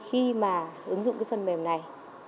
khi mà ứng dụng phần mềm này